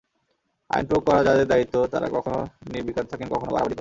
আইন প্রয়োগ করা যাঁদের দায়িত্ব, তাঁরা কখনো নির্বিকার থাকেন, কখনো বাড়াবাড়ি করেন।